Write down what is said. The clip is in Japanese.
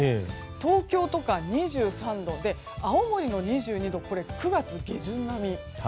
東京とか２３度青森、２２度９月下旬並み。